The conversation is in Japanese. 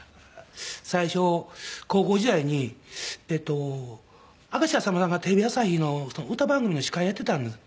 最初高校時代に明石家さんまさんがテレビ朝日の歌番組の司会やってたんです。